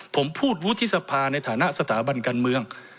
ผมพูดวุฒิสภาในฐานะสถาบันการเมือง